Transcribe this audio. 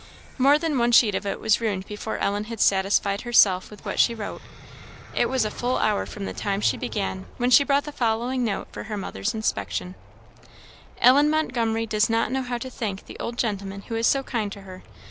More than one sheet of it was ruined before Ellen had satisfied herself with what she wrote. It was a full hour from the time she began when she brought the following note for her mother's inspection: "Ellen Montgomery does not know how to thank the old gentleman who is so kind to her.